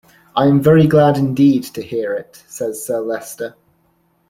"I am very glad indeed to hear it," says Sir Leicester.